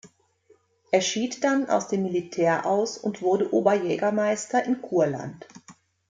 Er schied dann aus dem Militär aus und wurde Oberjägermeister in Kurland.